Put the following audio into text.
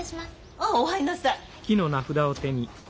ああお入りなさい。